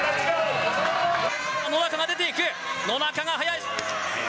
野中が出ていく、野中が速い！